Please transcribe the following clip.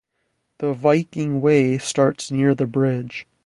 The Viking Way starts near the bridge.